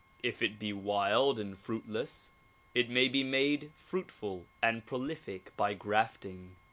If it be wild and fruitless it may be made fruitful and prolific by grafting.